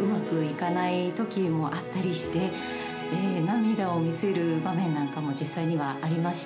うまくいかないときもあったりして、涙を見せる場面なんかも実際にはありました。